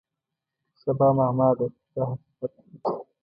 سبا معما ده دا حقیقت دی.